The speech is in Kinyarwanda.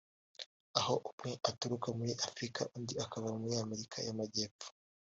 aho umwe aturuka muri Afurika undi akava muri Amerika y’Amajyepfo